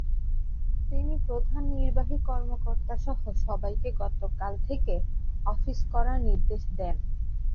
তিনি প্রধান নির্বাহী কর্মকর্তাসহ সবাইকে গতকাল থেকে অফিস করার নির্দেশ দেন।